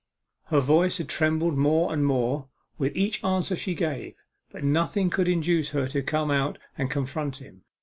Her voice had trembled more and more at each answer she gave, but nothing could induce her to come out and confront him.